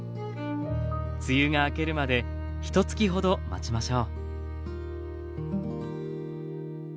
梅雨が明けるまでひとつきほど待ちましょう。